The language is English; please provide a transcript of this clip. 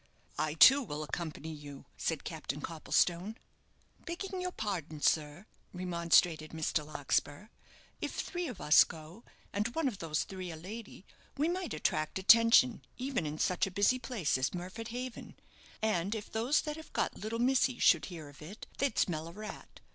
"I, too, will accompany you," said Captain Copplestone. "Begging you pardon, sir," remonstrated Mr. Larkspur, "if three of us go, and one of those three a lady, we might attract attention, even in such a busy place as Murford Haven. And if those that have got little missy should hear of it, they'd smell a rat.